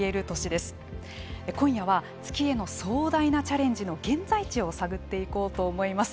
今夜は月への壮大なチャレンジの現在地を探っていこうと思います。